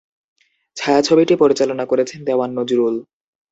ছায়াছবিটি পরিচালনা করেছেন দেওয়ান নজরুল।